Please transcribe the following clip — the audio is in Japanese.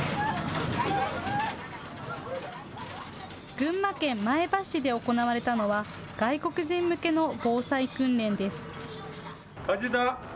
群馬県前橋市で行われたのは外国人向けの防災訓練です。